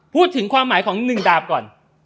พูดถึงความหมายของ๑ดาบก่อน